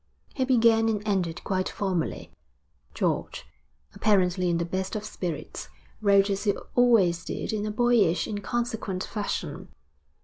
He began and ended quite formally. George, apparently in the best of spirits, wrote as he always did, in a boyish, inconsequent fashion.